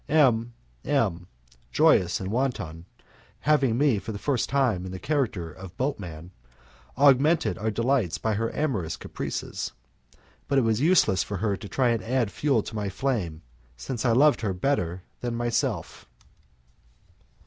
M M , joyous and wanton, having me for the first time in the character of boatman, augmented our delights by her amorous caprices, but it was useless for her to try to add fuel to my flame, since I loved her better than myself.